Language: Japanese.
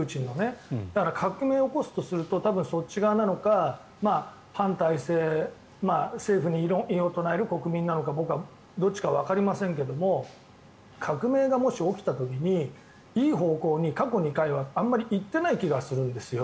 革命を起こすとするとそっち側なのか反体制、政府に異を唱える国民なのかどっちなのかは僕はわかりませんが革命がもし起きた時にいい方向に、過去２回はあまり行ってないような気がするんですよ。